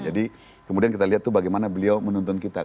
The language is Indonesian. jadi kemudian kita lihat tuh bagaimana beliau menuntun kita